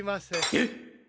えっ？